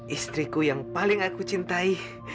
istriku yang paling aku cintai